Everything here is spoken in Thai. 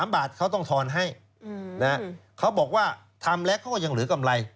๓บาทเขาต้องทอนให้เขาบอกว่าทำแล้วเขาก็ยังเหลือกำไร